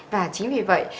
và chính vì vậy